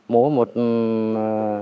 mỗi một kg